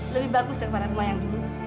lebih bagus daripada rumah yang dulu